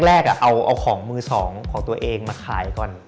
แรกเอาของมือสองของตัวเองมาขายก่อน